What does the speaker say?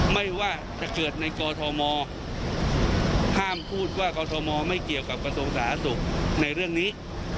ห้ามพูดว่ากอสโมไม่เกี่ยวกับกสมศาสุในเรื่องนี้